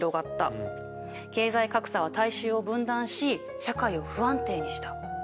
経済格差は大衆を分断し社会を不安定にした。